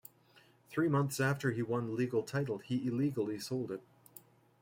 Three months after he won legal title, he illegally sold it.